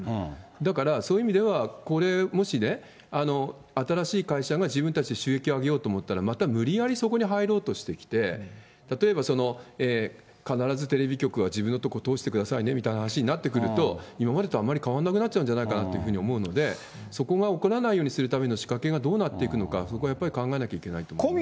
だから、そういう意味では、これ、もしね、新しい会社が自分たちで収益を上げようと思ったら、また無理やりそこに入ろうとしてきて、例えば、必ずテレビ局は、自分のところ通してくださいねみたいな話になってくると、今までとあんまり変わらなくなっちゃうんじゃないかなと思うので、そこが起こらないようにするための仕掛けがどうなっていくのか、そこはやっぱり考えていかなきゃいけないですよね。